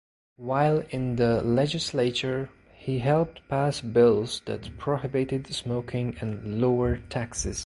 While in the legislature he helped pass bills that prohibited smoking and lower taxes.